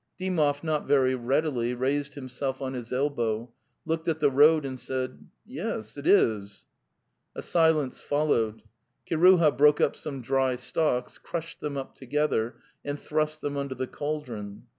"' Dymoy not very readily raised himself on his el bow, looked at the road and said: "OMESMitisuisy eric A silence followed. Kiruha broke up some dry stalks, crushed them up together and thrust them under the cauldron.